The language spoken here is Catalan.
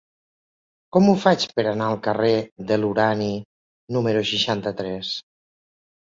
Com ho faig per anar al carrer de l'Urani número seixanta-tres?